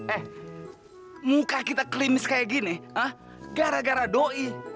eh muka kita kelimis kayak gini gara gara doi